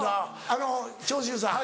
あの長州さん